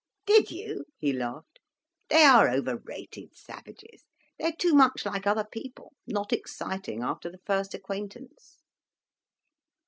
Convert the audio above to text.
"Did you?" he laughed. "They are over rated, savages. They're too much like other people, not exciting, after the first acquaintance."